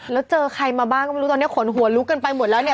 แล้วเจอใครมาบ้างก็ไม่รู้ตอนนี้ขนหัวลุกกันไปหมดแล้วเนี่ย